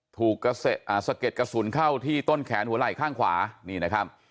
ถูกสะเก็ดกระสุนเข้าที่ต้นแขนหัวไหล่ข้างขวานี่นะครับ